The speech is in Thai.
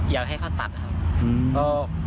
อยากให้เขาตัดนะครับ